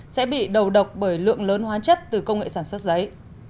sẽ bị đầu độc bởi lượng lớn hóa chất từ công nghệ sản xuất giấy